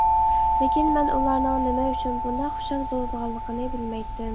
لېكىن مەن ئۇلارنىڭ نېمە ئۈچۈن بۇنداق خۇشال بولىدىغانلىقىنى بىلمەيتتىم.